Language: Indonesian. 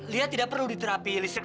lihat tidak perlu diterapi listrik